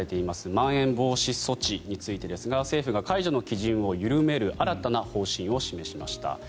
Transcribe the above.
まん延防止措置についてですが政府が解除の基準を緩める新たな方針を示しました。